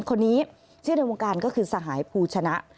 คนนี้ชื่อในวงการก็คือสหายภูชนะ